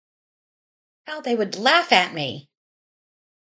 How they would laugh at me!